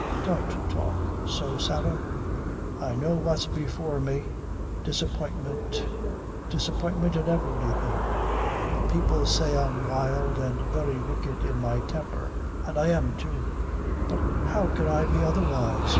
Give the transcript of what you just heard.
"Don't talk so, Sarah." "I know what's before me disappointment disappointment in everything the people say I'm wild and very wicked in my temper an' I am, too; but how could I be otherwise?